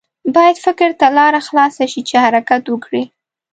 باید فکر ته لاره خلاصه شي چې حرکت وکړي.